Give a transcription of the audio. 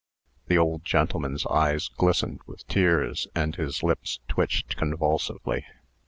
The old gentleman's eyes glistened with tears, and his lips twitched convulsively.